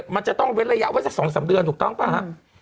มันจะต้องเว้นระยะไว้สัก๒๓เดือนถูกต้องป่ะฮะ